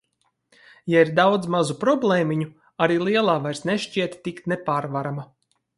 Ja ir daudz mazu problēmiņu, arī lielā vairs nešķiet tik nepārvarama.